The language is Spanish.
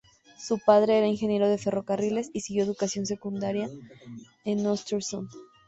Su padre era ingeniero de ferrocarriles y siguió educación secundaria en Östersund.